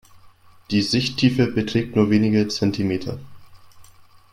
Die Sichttiefe beträgt nur wenige Zentimeter.